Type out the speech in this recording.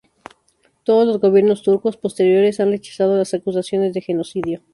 Todos los gobiernos turcos posteriores han rechazado las acusaciones de genocidio.